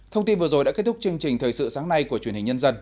thông tin vừa rồi đã kết thúc chương trình thời sự sáng nay của truyền hình nhân dân